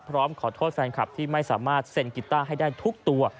พร้อมขอโทษแฟนคลับที่ไม่สามารถเซ็นกีต้าให้ได้ทุกตัว